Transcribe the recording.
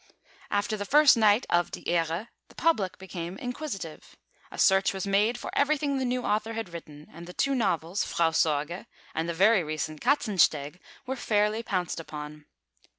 After the first night of Die Ehre, the public became inquisitive. A search was made for everything the new author had written, and the two novels Frau Sorge, and the very recent Katzensteg, were fairly pounced upon.